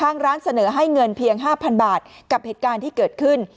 เงินเพียง๕๐๐๐บาทกับเหตุการณ์ที่เกิดขึ้น